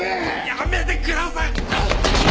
やめてください！